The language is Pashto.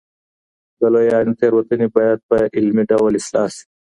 د لویانو تېروتنې باید په علمي ډول اصلاح سي.